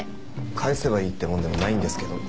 返せばいいってもんでもないんですけどね。